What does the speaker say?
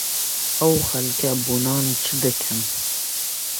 ئەو خەڵکە بۆ نان چ دەکەن؟